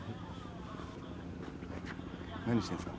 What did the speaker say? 何してるんですか？